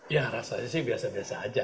ya rasanya sih biasa biasa aja